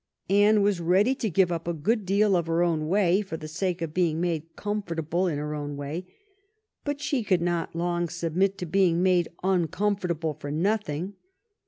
Anne was ready to give up a good deal of her own way for the sake of being made comfortable in her own way^ but she could not long submit to being made uncom fortable for nothing.